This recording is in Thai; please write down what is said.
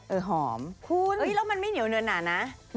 เออหอมคุณเอ๊ะแล้วมันไม่เหนียวเหนือน่านะ